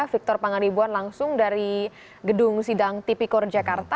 victor pangaribuan langsung dari gedung sidang tipikor jakarta